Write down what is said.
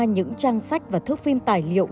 những trang sách và thước phim tài liệu